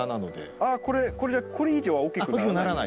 ああこれ以上は大きくならない？